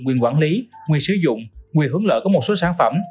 quyền quản lý quyền sử dụng quyền hướng lợi của một số sản phẩm